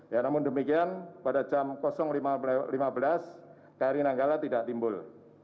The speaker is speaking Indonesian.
ya namun demikian pada jam lima belas kri nanggala tidak timbul